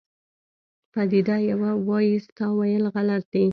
پدیده پوه وایي ستا تاویل غلط دی.